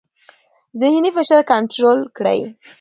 ذهني فشار کنټرول کړئ.